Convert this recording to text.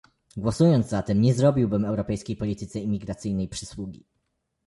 Głosując za tym nie zrobiłbym europejskiej polityce imigracyjnej przysługi